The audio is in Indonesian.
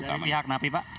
dari pihak napi pak